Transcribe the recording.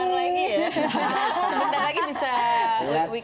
sebentar lagi bisa kita bisa tahu ya